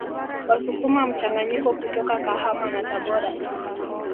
Wasukuma mchanganyiko kutoka Kahama na Tabora